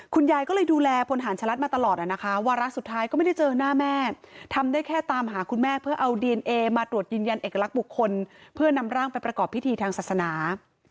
คุณยายก็เลยดูแลพลฐานชะลัดมาตลอดนะคะวาระสุดท้ายก็ไม่ได้เจอหน้าแม่ทำได้แค่ตามหาคุณแม่เพื่อเอาดีเอนเอมาตรวจยืนยันเอกลักษณ์บุคคลเพื่อนำร่างไปประกอบพิธีทางศาสนา